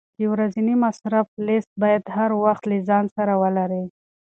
د ورځني مصرف لیست باید هر وخت له ځان سره ولرې.